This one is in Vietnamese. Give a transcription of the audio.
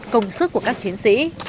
công sức của các chiến sĩ